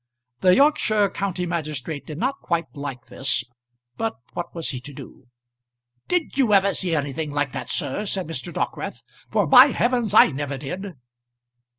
The Yorkshire county magistrate did not quite like this, but what was he to do? "Did you ever see anything like that, sir?" said Mr. Dockwrath; "for by heavens I never did."